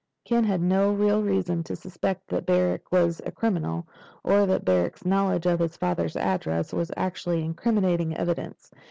Ken had no real reason to suspect that Barrack was a criminal, or that Barrack's knowledge of his father's address was actually incriminating evidence.